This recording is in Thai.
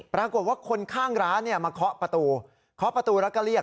ปรากฏว่าคนข้างร้านมาเคาะประตูเคาะประตูแล้วก็เรียก